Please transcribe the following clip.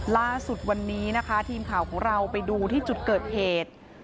ล่าสุดวันนี้นะคะทีมข่าวของเราไปดูที่จุดเกิดเหตุ